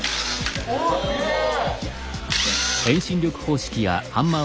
おすげえ！